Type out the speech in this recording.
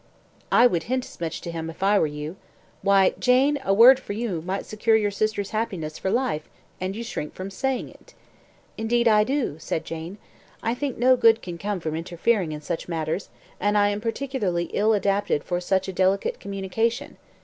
"I would hint as much to him, if I were you. Why, Jane, a word from you might secure your sister's happiness for life, and you shrink from saying it." "Indeed I do," said Jane. "I think no good can come from interfering in such matters, and I am particularly ill adapted for such a delicate communication.